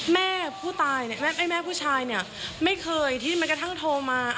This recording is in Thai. แม่ผู้ตายเนี่ยแม่ผู้ชายเนี่ยไม่เคยที่แม้กระทั่งโทรมา